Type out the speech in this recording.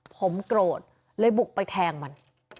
ผมโกรธเลยบุกไปแทงมัน